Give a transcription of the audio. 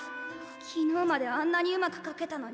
昨日まであんなにうまく描けたのに。